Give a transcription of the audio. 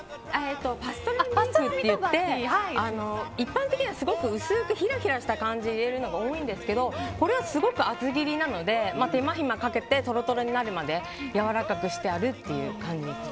パストラミビーフといって一般的には薄くひらひらして入れるのが多いんですけどこれはすごく厚切りなので手間暇かけてトロトロになるまでやわらかくしてあるという。